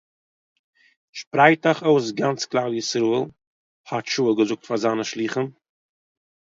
שפרייט אייך אויס גאנץ כלל ישראל, האט שאול געזאגט פאר זיינע שלוחים